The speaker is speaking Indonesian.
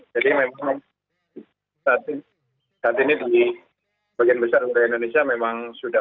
jadi memang saat ini di bagian besar indonesia memang sudah